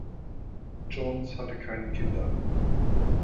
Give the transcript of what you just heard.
Jones hatte keine Kinder.